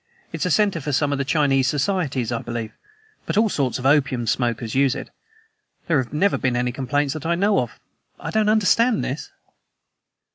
It's a center for some of the Chinese societies, I believe, but all sorts of opium smokers use it. There have never been any complaints that I know of. I don't understand this."